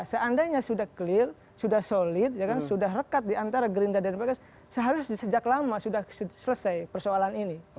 seandainya sudah clear sudah solid sudah rekat diantara gerindra dan pks seharusnya sejak lama sudah selesai persoalan ini